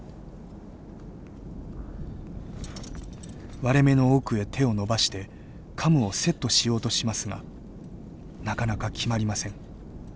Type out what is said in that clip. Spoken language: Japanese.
割れ目の奥へ手を伸ばしてカムをセットしようとしますがなかなか決まりません。